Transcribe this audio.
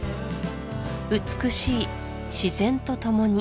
美しい自然とともに